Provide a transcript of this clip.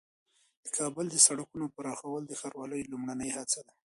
د کابل د سړکونو پراخول د ښاروالۍ لومړنۍ هڅه ده.